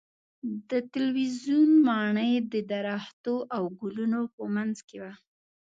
د تلویزیون ماڼۍ د درختو او ګلونو په منځ کې وه.